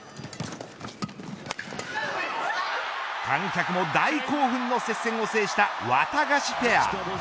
観客も大興奮の接戦を制したワタガシペア。